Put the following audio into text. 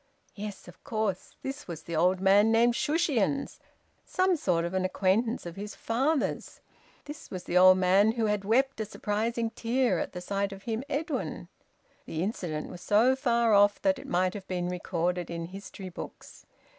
Yes, of course! This was the old man named Shushions, some sort of an acquaintance of his father's. This was the old man who had wept a surprising tear at sight of him, Edwin. The incident was so far off that it might have been recorded in history books.